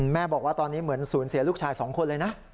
บอกว่าตอนนี้เหมือนสูญเสียลูกชาย๒คนเลยนะ